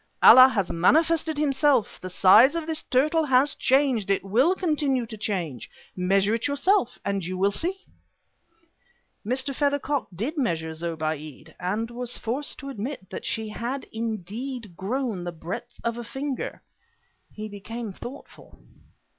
Allah has manifested himself; the size of this turtle has changed. It will continue to change. Measure it yourself and you will see." Mr. Feathercock did measure Zobéide, and was forced to admit that she had indeed grown the breadth of a finger. He became thoughtful.